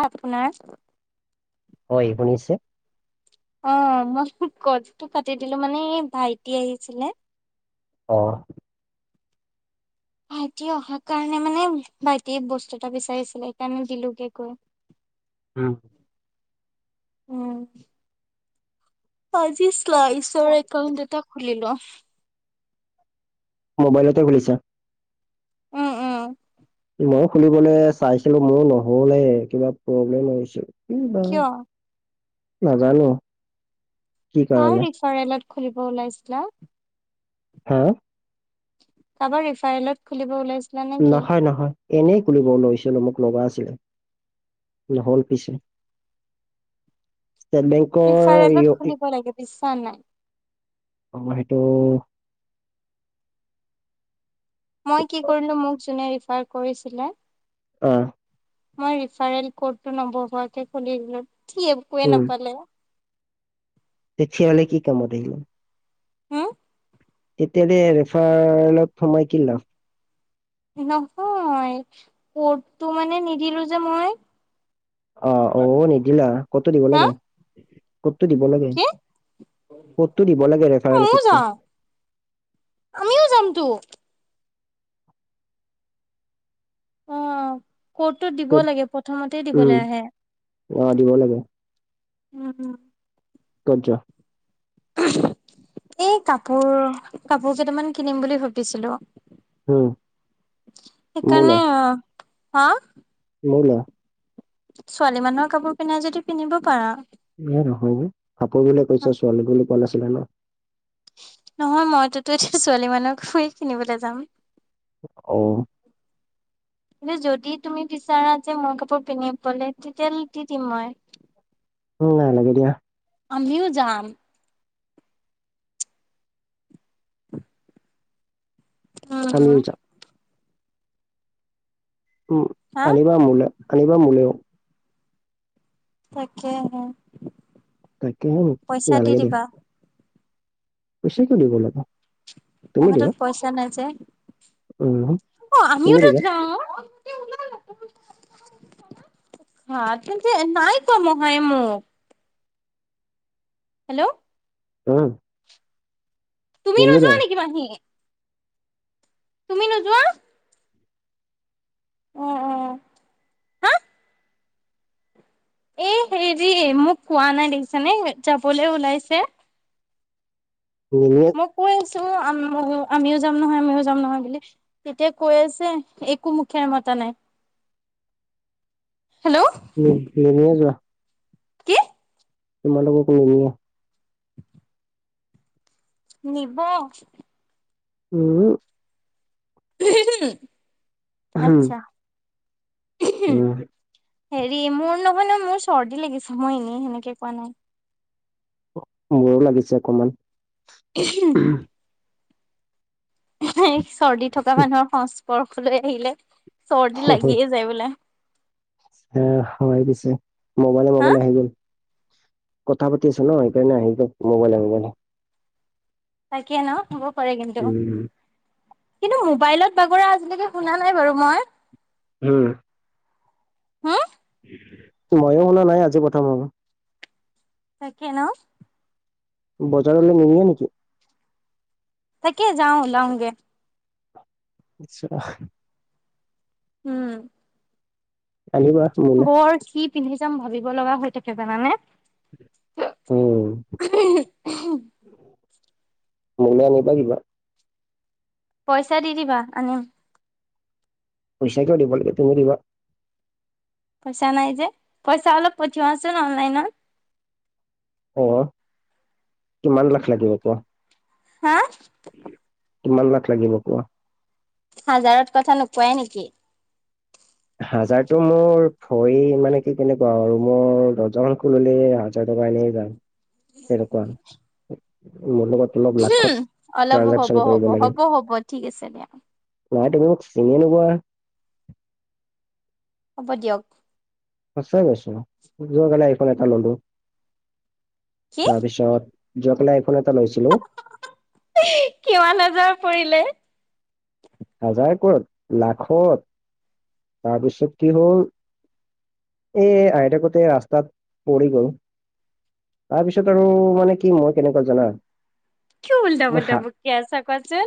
কওক আপোনাৰ হয়, শুনিছে? অ' মই ক'লটো কাতি দিলোঁ মানে, এই ভাইটি আহিছিলে। অ'। ভাইটিয়ে অহাৰ কাৰণে মানে, ভাইটিয়ে বস্তু এটা বিচাৰিছিলে সেইকাৰণে দিলোগে গৈ। [inaudible] হুম। উম। আজি শ্লইছৰ একাউণ্ট এটা খুলিলোঁ। মোবাইলতে খুলিছা? উম - উম। মই খুলিবলে চাইছিলোঁ, মোৰ নহলে। কিবা প্ৰব্লেম আহিছে। কি বা? কিয় নাজানো। কি কাৰ কাৰণে ৰিফাৰেলত খুলিব ওলাইছিলা? হা? কাবাৰ ৰিফাইলত খুলিব ওলাই নহয় - নহয়। এনেই খুলিব লৈছিলো, মোক লগা আছিলে‌। নহ'ল পিছে। [inaudible] ষ্টেট বেংকৰ ৰিফাৰেলত সেইটো খুলিব লাগে। বিশ্বাৰ নাই। অ' সেইটো মই কি কৰিলোঁ, মোক যোনে ৰিফাৰ কৰিছিলে অ'। মই ৰিফাৰেল কডটো নবহোৱাকে খুলি দিলোঁ। সি একোৱে উম নাপালে। তেতিয়াহলে কি কামত আহিব? হুম? তেতিয়াহলে ৰেফাৰলত সোমাই কি লাভ? নহয়। কডটো মানে নিদিলোঁ যে মই। অ'। অ' নিদিলা। কডটো দিব হা লাগে। কডটো দিব লাগে। কি কডটো দিব লাগে, ৰেফাৰেল ময়ো কডটো। যাম আমিও যামতো। অ কডটো দিব ক'ত লাগে, প্ৰথমতে উম দিবলৈ আহে। অ দিব লাগে উম - উম। ক'ত যোৱা‌? এ কাপোৰ- কাপোৰ কেইটামান কিনিম বুলি ভাবিছিলোঁ। উম, সেইকাৰণে অ'- হা? ললা? ছোৱালী মানুহৰ কাপোৰ পিন্ধা যদি, পিন্ধিব পাৰা। এ নহয় হে। কাপোৰ গিলা কৈছা, ছোৱালী বুলি কলে ছিলে ন' নহয় মইটোতো এতিয়া ছোৱালী মানু্হৰটোৱে কিনিবলৈ যাম। অ [inaudible] কিন্তু যদি তুমি বিচাৰা যে মোৰ কাপোৰ পিন্ধি পলে তেতিয়াহলে দি দিম মই। উম নালাগে দিয়া। আমিও যাম। অ। আমিও যাম উম হা আনিবা মোলে আনিবা মোলৌ। তাকে হে। তাকেহে নালাগে দিয়া গুছি গলো বেলেগত। মোৰ হাতত পইচা নাই যে। উম অ আমিও তুমি টো দিবা যাওঁ। হা কিন্তু নাই কোৱা মহাই মোক। হেল্ল' উম তুমি নিনিলে নোযোৱা নেকি মাহি? তুমি নোযোৱা। অহ অহ হা- এ হেৰি মোক কোৱা নাই দেখিছানে যাবলৈ ওলাইছে। নিনিয়ে মই কৈ আছো। আমিও যাম নহয় আমিও যাম নহয় বুলি তেতিয়া কৈ আছে একো মুখে মাতা- নাই হেল্লো' উম ওলাই যোৱা। কি? তোমাকলোকলৈও - নিব। উম উম আচ্ছা উম হেৰি মোৰ নহয় নহয় মোৰ চৰ্দি লাগিছে মই এনেই সেনেকে কোৱা নাই। মোৰো লাগিছে অকমান। [unintelligible] চৰ্দি থকা মানুহৰ সংস্পৰ্শলৈ আহিলে। চৰ্দি লাগিয়ে যায় বোলে। আ হয় পিছে মবাইলে হা মবাইলে আহি গল। কথা পাতি আছো ন, সেইকাৰণে আহি গ'ল মোবাইলে মোবাইলে। তাকে ন হ'ব পাৰে কিন্তু। উম কিন্তু মোবাইলত বাগৰা আজিলৈকে শুনা নাই বাৰু মই। হু। হুম ময়ো শুনা নাই আজি প্ৰথম মোৰো। তাকে ন বজাৰলৈ নিনিয়ে নেকি? তাকে যাওঁ ওলাওঁগে। আচ্ছা। উম আনিবা মোলে। বৰ কি পিন্ধি যাম ভাবিব লগা হৈ থাকে জানানে? উম, মোলৈ আনিবা কিবা। পইচা দি দিবা আনিম। পইচা কিয় দিব লাগে, তুমি দিবা। পইচা নাই যে, পইচা অলপ পঠিওৱা চোন অনলাইনত। অ, কিমান লাখ লাগিব কোৱা? হা কিমান লাখ লাগিব কোৱা। হাজাৰত কথা নোকোৱাই নেকি? হাজাৰটো মোৰ ভৰি মানে কি কেনেকুৱা আৰু মোৰ দৰ্জাখন খুলিলে হাজাৰ- [unintelligible] অলপ লাখত অলপ হ'ব টাইৰেকচন কৰিব হ'ব লাগে। হ'ব হ'ব ঠিক আছে দিয়া নাই তুমি মোক ছিঙি নোপোৱা। হ'ব দিয়ক। সঁচা কৈছোঁ যোৱা কালি আই ফোন এটা ললো। কি তাৰপিছত যোৱাকালি আইফোন এটা লৈছিলো। কিমান হাজাৰ পৰিলে। হাজাৰে ক'ত লাখত, তাৰপিছত কি হ'ল। এ আইতাকোতে ৰাস্তাত পৰি গ'ল। তাৰপিছত আৰু মানে কি মই কেনেকুৱা জানা। কি ওলটা মই পুলটা হা বকী আছা কোৱাচোন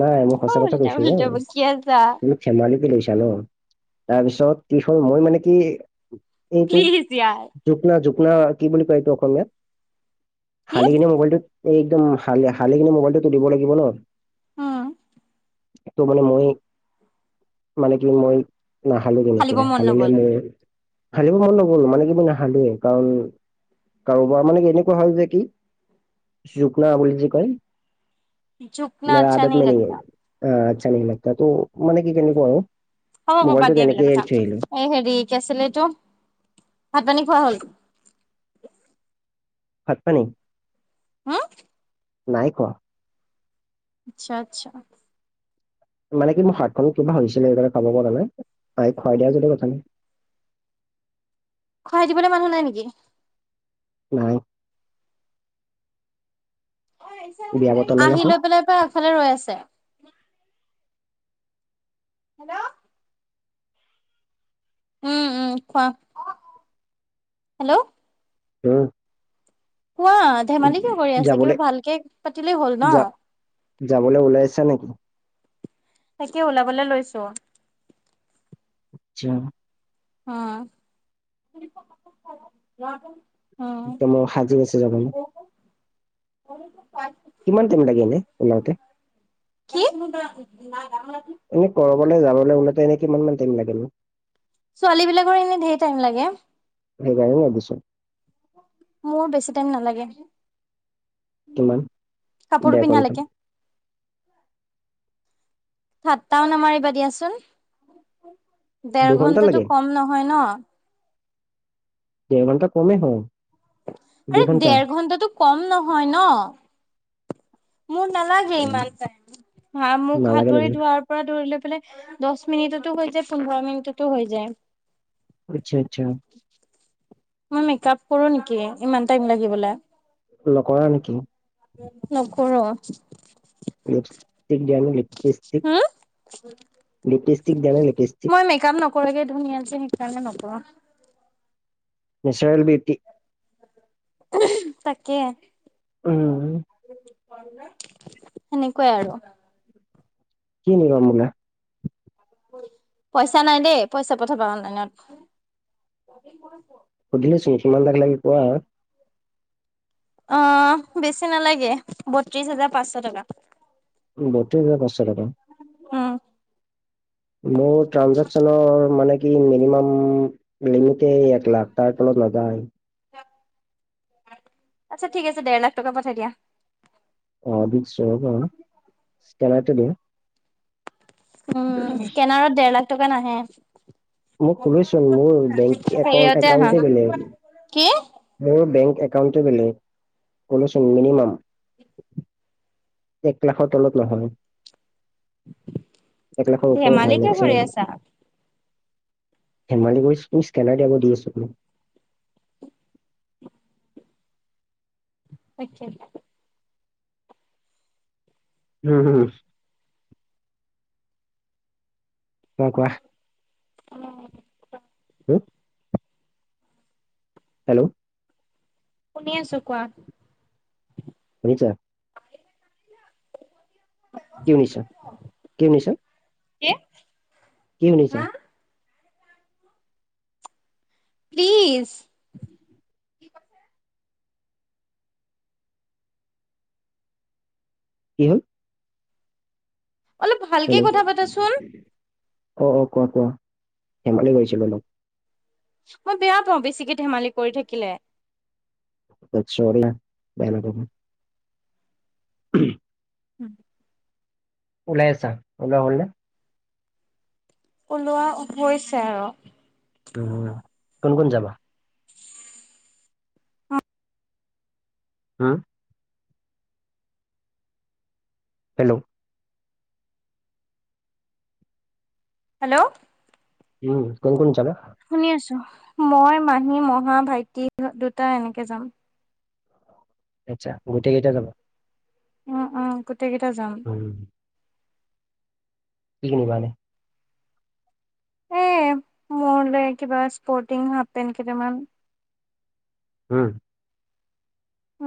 নাই মই সঁচা হ'ল। তা- উলতা বকি আছা। পানি পি লৈছা ন তাৰ পিছত কি হ'ল মই মানে কি। এই টো প্লিজ য়াৰ। ঝুপনা ঝুপনা কি বুলি কয় এইটো অসমীয়াত। কি? শালি কিনি মোবাইলটো একদমাল শালি কি মোবাইলটোতো দিব লাগিব ন। উম। এইটো বানে মই মানে মই মানে কি মই। নাহালো কেনেকে হালিব মন হালিলে নগ'ল। মোৰ হালিব মন নগ'ল মানে কি মই নাাহালো কাৰণ। কাৰোবাৰ মানে কি এনেকুৱা হল যে কি জুকলা বুলি যে কয়। জুকনা মে আচ্ছা আদত নেহি মে নাহি হে, লাগতা। আচ্ছা নাহি লাগতা মানে কি কেনেকুৱা আও। হ'বা দিয়া বেলেগ কথা এই হেৰি কি আছিলে এইটো ভাত পানী খোৱা হ'ল? ভাত-পানী। হা নাই কোৱা। আচ্ছা আচ্ছা। মানে কি মোৰ হাতখন কিবা হৈছিলে সেইকাৰণে খাব পৰা নাই আ খুৱাই দিয়া যদি কথা নাই। খুৱাই দিবলৈ মানুহ নাই নেকি? নাই। বিয়া বতলে আহি নহয় লৈ পেলাই পৰা এফালে ৰৈ আছে। হেল্ল'। উম উম কোৱা হেল্ল'। হে। কোৱা ধেমালি কিয় কৰি আছা যাবলে কিবা ভালকে পাতিলেই হ'ল ন। যাবলে ওলাইছে নেকি? তাকে ওলাবলে লৈছো। আচ্ছা। অহ। মোৰ সাজি আছে যাবলৈ [unintelligible] পাইত। কিমান টাইম লাগে এনে ওলওঁতে। কি [unintelligible] এনেই কৰবলৈ যাবলৈ ওলাউতে এনে কিমান টাইম লাগে নো। ছোৱালী বিলাকৰ এনেই ঢেৰ টাইম লাগে। সেইবাৰে ৰাদিছো মোৰ বেছি টাইম নালাগে। কিমান কাপোৰ দে কণ্টল। ঠাতটাও নামাৰিবা দিয়াচোন। ডেৰ দুঘন্টা ঘণ্টাটো লাগে কম নহয় ন'? ডেৰ ঘণ্টা কমে হয়। আৰে দুই ঘন্টা ডেৰ ঘন্টাটো কম নহয় ন'? মোৰ নালাগে অ, ইমান টাইম, হা মুখ, হাত নালাগে নেকি ভৰি ধোৱাৰ পৰা ধৰিলে বোলে দহ মিনিটতো হৈ যায় পোন্ধৰ মিনিটতো হৈ যায়। আচ্ছা-আচ্ছা। মই মেকআপ কৰোঁ নেকি ইমান টাইম লাগিবলে নকৰা নেকি? নকৰোঁ [inaudible] লিপিষ্টিক দিয়া নে লিপিষ্টিক হম? লিপষ্টিক দিয়া নে মই মেকআপ নকৰাকে ধুনীয়া যে সেইকাৰণে নকৰোঁ। নেচাৰেল বিউটি, [unintelligible] তাকে উম সেনেকুৱাই আৰু কি আনিবা মোলে? পইচা নাই দেই, পইচা পঠাবা অনলাইনত। সুধিলো চোন কিমান [unintelligible] লাগে কোৱা অ' বেছি নালাগে, বত্ৰিশ হাজাৰ পাঁচশ টকা। বত্ৰিশ হেজাৰ পাঁচশ টকা উম মোৰ ট্ৰানঞ্জাকচনৰ মানে কি মিনিমাম লিমিতে এক লাখ তাৰ তলত নাযায়। [unintelligible] আচ্ছা ঠিক আছে ডেৰ লাখ টকা পঠাই দিয়া। অ' দিছোঁ ৰবা, স্ক্ৰেনাৰটো দিয়া। উম, স্ক্ৰেনাৰত ডেৰ লাখ টকা নাহে। মই কলোঁ চোন মোৰ বেংক একাউণ্ট হেৰিয়তে আহা একাউণ্টে বেলেগ কি মোৰ বেংক একাউণ্টে বেলেগ। কলেচোন মিনিমাম। এক লাখৰ তলত নহয়। এক লাখৰ ওপৰত ধেমালি হয় কিয় কৰি মেক্সিমাম। আছা ধেমালি কৰিছোঁ, তুমি স্কেনাৰ দিয়া দি আছোঁ। তাকে হম-হম। অ' কোৱা অ' [inaudible] হেল্ল' শুনি আছোঁ কোৱা আচ্ছা কি শুনিছা-কি শুনিছা? কি? কি শুনিছা? প্লিজ কি হ'ল অলপ ভালকে হেল্ল' কথা পাতাচোন অ'-অঁ কোৱা-কোৱা ধেমালি কৰিছিলোঁ অলপ মই বেয়া পাওঁ বেছিকে ধেমালি কৰি থাকিলে বট চৰি হা বেয়া নাপাবা। উম [inaudible] ওলাই আছা ওলোৱা হ'ল নে? ওলোৱা হৈছে আৰু উম, কোন-কোন যাবা? হুম। হেল্ল'? হেল্ল'? উম, কোন - কোন যাবা? শুনি আছোঁ। মই, মাহী, মহা, ভাইটি দুটা এনেকে যাম। আচ্ছা গোটেই কেইটা যাব। উম, উম, গোটেই কেইটা যাম। উম কি কি নিবা এনে? এ, মোৰ এ কিবা স্পৰ্টিং হাফ পেণ্ট কেইটামান। হুম।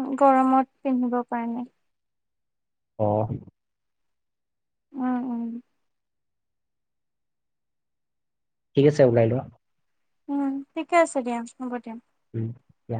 উম, গৰমত পিন্ধিব কাৰণে। অ', উম, উম, ঠিক আছে উলাই লোৱা। উম, ঠিকে আছে দিয়া হ'ব দিয়া। উম, দিয়া।